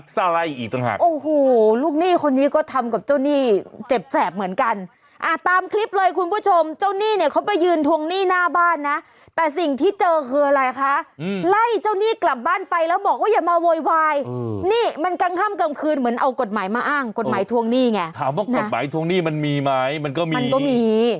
ใส่มาอ้างกฎหมายทวงหนี้ไงถามว่าตอบรายทวงหนี้มันมีไหมมันก็มีจะมี